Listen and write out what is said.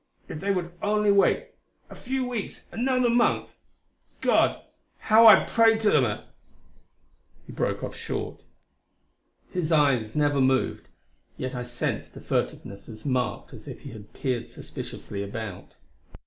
"If they would only wait a few weeks another month! God, how I prayed to them at " He broke off short. His eyes never moved, yet I sensed a furtiveness as marked as if he had peered suspiciously about.